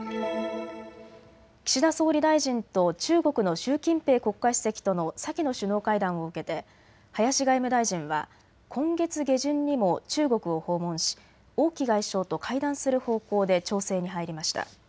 岸田総理大臣と中国の習近平国家主席との先の首脳会談を受けて林外務大臣は今月下旬にも中国を訪問し王毅外相と会談する方向で調整に入りました。